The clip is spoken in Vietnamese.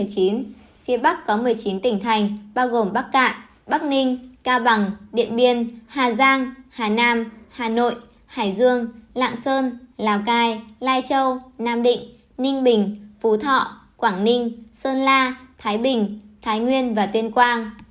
phía bắc có một mươi chín tỉnh thành bao gồm bắc cạn bắc ninh cao bằng điện biên hà giang hà nam hà nội hải dương lạng sơn lào cai lai châu nam định ninh bình phú thọ quảng ninh sơn la thái bình thái nguyên và tuyên quang